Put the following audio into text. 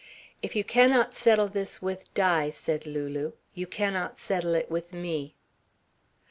"If you cannot settle this with Di," said Lulu, "you cannot settle it with me."